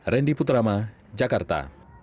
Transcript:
randy putrama jakarta